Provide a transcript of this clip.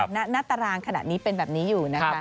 หน้าตารางขนาดนี้เป็นแบบนี้อยู่นะคะ